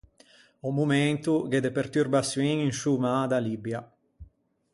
A-o momento gh’é de perturbaçioin in sciô Mâ da Libia.